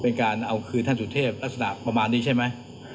เป็นการเอาคืท่านสุดเทพสซะกว่านี้ใช่ไหม